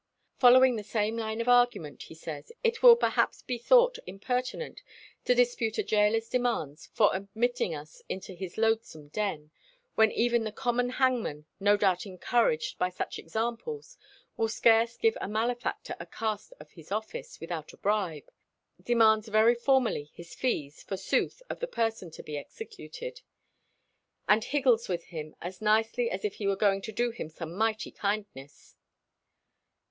Following the same line of argument, he says: "It will perhaps be thought impertinent to dispute a gaoler's demands for admitting us into his loathsome den, when even the common hangman, no doubt encouraged by such examples, will scarce give a malefactor a cast of his office without a bribe, demands very formally his fees, forsooth, of the person to be executed, and higgles with him as nicely as if he were going to do him some mighty kindness."